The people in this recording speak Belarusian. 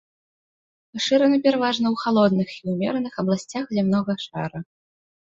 Пашыраны пераважна ў халодных і ўмераных абласцях зямнога шара.